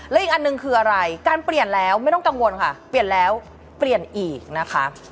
และอีกอันหนึ่งคืออะไรการเปลี่ยนแล้วไม่ต้องกังวลค่ะเปลี่ยนแล้วเปลี่ยนอีกนะคะ